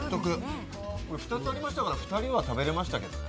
２つありましたから２人食べれましたけどね。